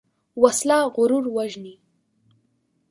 وسله غرور وژني